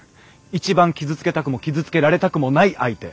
一番傷つけたくも傷つけられたくもない相手。